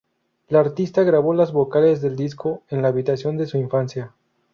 La artista grabó las vocales del disco en la habitación de su infancia.